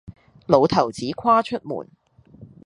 老頭子跨出門，